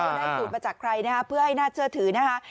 ได้สูตรมาจากใครนะฮะเพื่อให้น่าเชื่อถือนะคะ